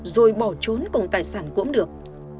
rồi bỏ trốn cùng tài sản cũng được